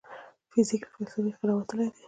فزیک له فلسفې څخه راوتلی دی.